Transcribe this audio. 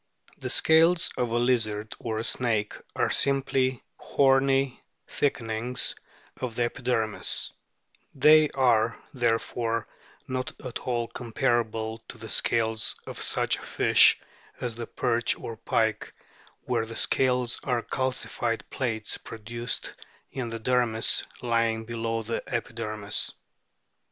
The scales of a lizard or a snake are simply horny thickenings of the epidermis ; they are, therefore, not at all comparable to the scales of such a fish as the perch or pike, where the scales are calcified plates produced in the dermis lying below the epidermis.